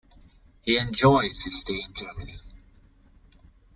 He enjoys his stay in Germany.